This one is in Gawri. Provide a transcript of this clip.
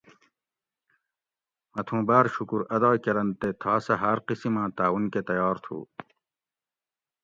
مہۤ تھُوں باۤر شُکر ادا کرنت تے تھا سہۤ ہاۤر قسم آں تعاون کۤہ تیار تھُو